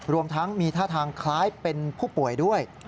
รวมทั้งมีท่าทางคล้ายเป็นผู้ป่วยด้วย